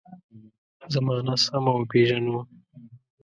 زمانه سمه وپېژنو.